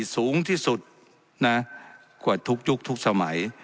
สูงที่สุดนะกว่าทุกยุคทุกสมัย